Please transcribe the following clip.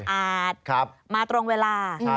ครับใช่ครับมาตรงเวลา